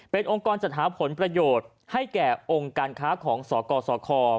เป็นองค์กรจัดหาผลประโยชน์ให้แก่องค์การค้าของสกสค